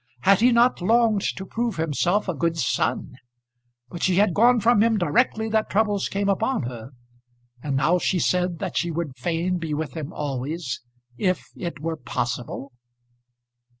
Had he not longed to prove himself a good son? But she had gone from him directly that troubles came upon her, and now she said that she would fain be with him always if it were possible!